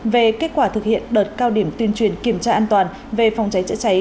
về kết quả thực hiện đợt cao điểm tuyên truyền kiểm tra an toàn về phòng cháy chữa cháy